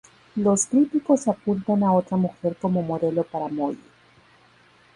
Los críticos apuntan a otra mujer como modelo para Molly.